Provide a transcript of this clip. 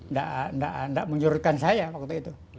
nggak menurutkan saya waktu itu